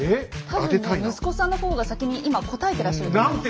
多分ね息子さんの方が先に今答えてらっしゃると思います。